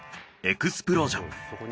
エクスプロージョン。